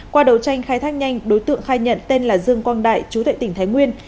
qua đầu tranh khai thác nhanh đối tượng khai nhận tên là dương quang đại chú tệ tỉnh thái nguyên